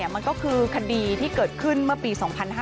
มันก็คือคดีที่เกิดขึ้นเมื่อปี๒๕๕๙